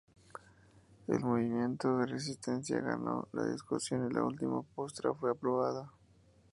El movimiento de resistencia ganó la discusión y la última postura fue aprobada.